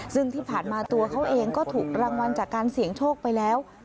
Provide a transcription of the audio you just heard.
ซึ่งที่ผ่านมาตัวเขาเองก็ถูกรางวัลจากการเสี่ยงโชคไปแล้ว